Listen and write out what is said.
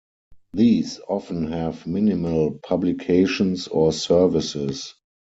These often have minimal publications or services.